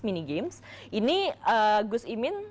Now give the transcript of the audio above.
mini games ini gus imin